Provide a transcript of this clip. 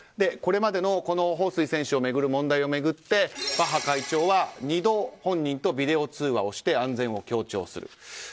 これまでのホウ・スイ選手を巡る問題を巡ってバッハ会長は２度本人とビデオ通話をして安全を強調する。